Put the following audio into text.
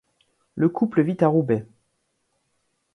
Le couple vit à Roubaix.